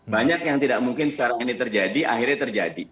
banyak yang tidak mungkin sekarang ini terjadi akhirnya terjadi